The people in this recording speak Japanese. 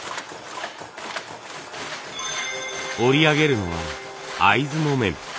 織り上げるのは会津木綿。